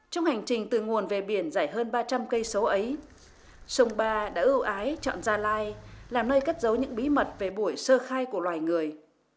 trong hành trình từ nguồn về biển dài hơn ba trăm linh cây số ấy sông ba đã ưu ái chọn gia lai làm nơi cất giấu những bí mật về buổi sơ khai của loài người